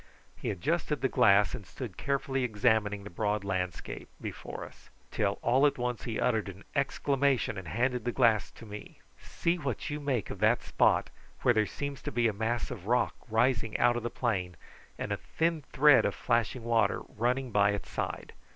He adjusted the glass and stood carefully examining the broad landscape before us, till all at once he uttered an exclamation, and handed the glass to me. "See what you make of that spot where there seems to be a mass of rock rising out of the plain, and a thin thread of flashing water running by its side.